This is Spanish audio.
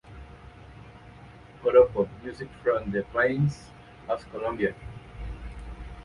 Joropo Music from the plains of Colombia".